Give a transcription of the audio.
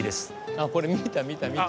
あっこれ見た見た見た。